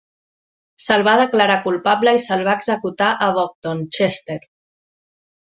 Se'l va declarar culpable i se'l va executar a Boughton, Chester.